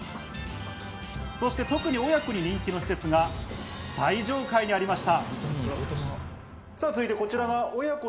そして特に親子に人気の施設が最上階にありました。